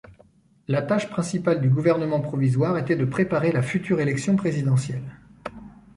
La tâche principale du gouvernement provisoire était de préparer la future élection présidentielle.